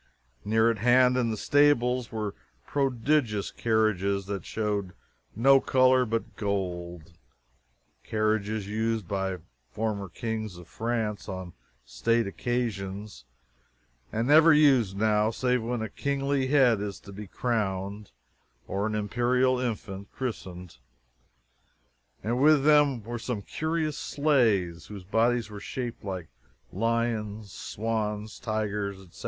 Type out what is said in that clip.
Near at hand, in the stables, were prodigious carriages that showed no color but gold carriages used by former kings of France on state occasions, and never used now save when a kingly head is to be crowned or an imperial infant christened. And with them were some curious sleighs, whose bodies were shaped like lions, swans, tigers, etc.